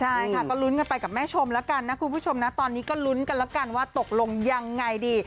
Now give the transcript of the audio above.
ใช่ค่ะก็ลุ้นกันไปกับแม่ชมแล้วกันนะคุณผู้ชมนะตอนนี้ก็ลุ้นกันแล้วกันว่าตกลงยังไงดี